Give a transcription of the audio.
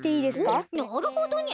おっなるほどにゃ。